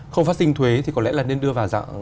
không phát sinh thuế thì có lẽ là nên đưa vào